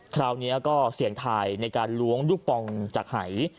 คราวนี้ก็เสี่ยงทายในการล้วงลูกปองจากหาย